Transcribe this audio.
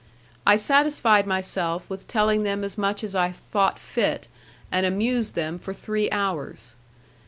I satisfied myself with telling them as much as I thought fit, and amused them for three hours.